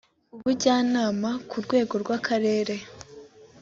ubujyanama ku rwego rw’akarere